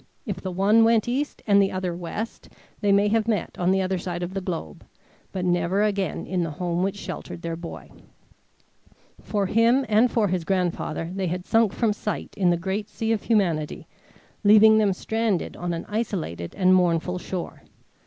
If the one went East and the other West, they may have met on the other side of the globe, but never again in the home which sheltered their boy. For him and for his grandfather they had sunk from sight in the great sea of humanity, leaving them stranded on an isolated and mournful shore.